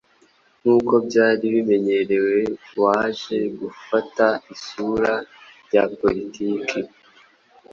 nk’uko byari bimenyerewe waje gufata isura ya Politiki